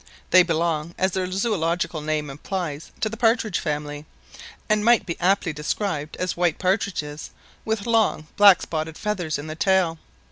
They belong, as their zoological name implies, to the partridge family, and might be aptly described as white partridges with long black spotted feathers in the tail.